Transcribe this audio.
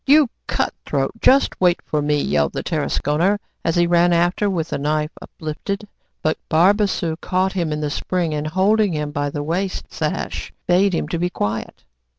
"You cut throat! just wait for me!" yelled the Tarasconer as he ran after, with the knife uplifted. But Barbassou caught him in the spring, and holding him by the waist sash, bade him be quiet.